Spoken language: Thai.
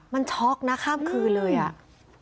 มันช็อกนะครั้งคืนเลยอะ